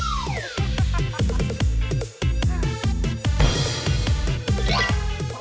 เพื่อนิสัย